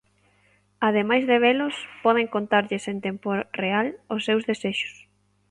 Ademais de velos, poden contarlles en tempo real os seus desexos.